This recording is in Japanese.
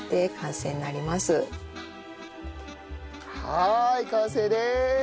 はーい完成でーす！